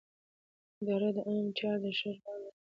اداره د عامه چارو د ښه والي لپاره کار کوي.